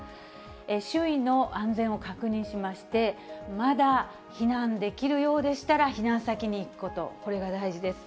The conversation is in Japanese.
周囲の安全を確認しまして、まだ避難できるようでしたら、避難先に行くこと、これが大事です。